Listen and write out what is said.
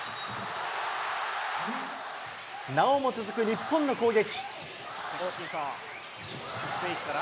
なおも続く日本の攻撃。